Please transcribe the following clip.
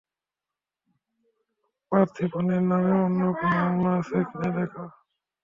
পার্থিপনের নামে অন্য কোনো মামলা আছে কিনা দেখো।